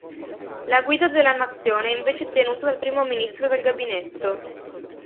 La guida della nazione è invece tenuta dal Primo Ministro e dal Gabinetto.